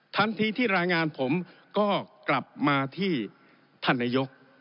ทันทีที่รายงานผมก็กลับมาที่ท่านนายก